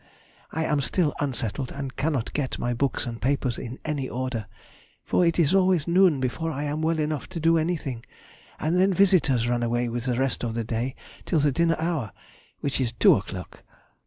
I am still unsettled, and cannot get my books and papers in any order, for it is always noon before I am well enough to do anything, and then visitors run away with the rest of the day till the dinner hour (which is two o'clock).